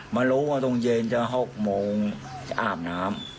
มารู้ว่าตรงเย็นจะ๖โมงจะอาบน้ำ